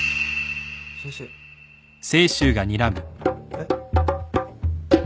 えっ？